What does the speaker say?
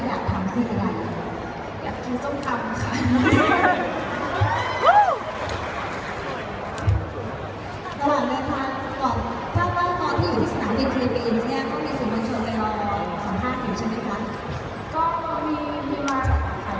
คุณกินนะคะทางทางหนึ่งเรื่องจากเกื้อบราศีลแรกที่อยากทำคืออะไร